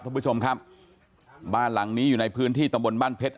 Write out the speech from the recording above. ท่านผู้ชมครับบ้านหลังนี้อยู่ในพื้นที่ตำบลบ้านเพชร